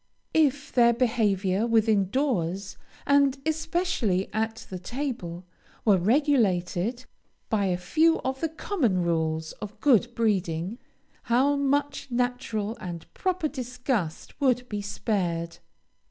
If their behavior within doors, and especially at the table, were regulated by a few of the common rules of good breeding, how much natural and proper disgust would be spared!